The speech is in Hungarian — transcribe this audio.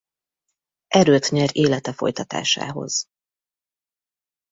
Erőt nyer élete folytatásához.